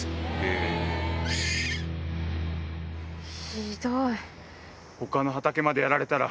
ひどい。